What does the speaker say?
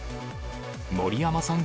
森山さん